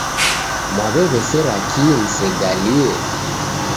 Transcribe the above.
Mwaw'ew'esera kii musegalie?